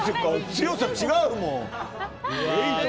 強さ違うもん。